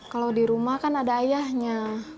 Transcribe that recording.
kalau di rumah kan ada ayahnya